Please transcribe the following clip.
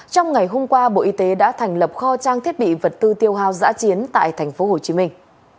trong ngày hôm qua bộ y tế đã thành lập kho trang thiết bị vật tư tiêu hào giã chiến tại thành phố hồ chí minh